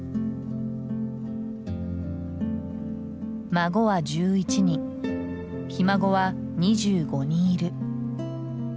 孫は１１人ひ孫は２５人いる。